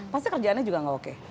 pasti kerjaannya juga nggak oke